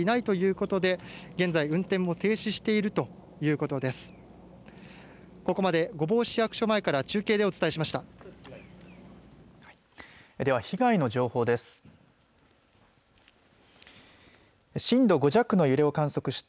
ここまで御坊市役所前から中継でお伝えしました。